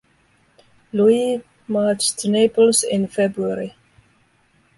Louis marched to Naples in February.